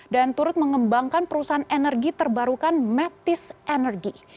dan turut mengembangkan perusahaan energi terbarukan metis energi